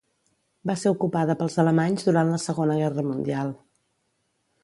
Va ser ocupada pels alemanys durant la Segona Guerra Mundial.